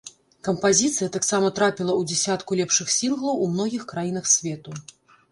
Кампазіцыя таксама трапіла ў дзясятку лепшых сінглаў у многіх краінах свету.